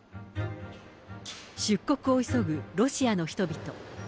出国を急ぐロシアの人々。